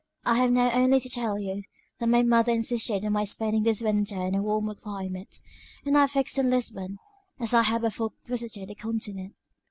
"I have now only to tell you, that my mother insisted on my spending this winter in a warmer climate; and I fixed on Lisbon, as I had before visited the Continent."